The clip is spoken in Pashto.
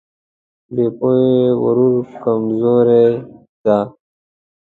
بې پوهې غرور کمزوري ده.